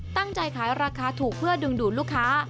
ขายราคาถูกเพื่อดึงดูดลูกค้า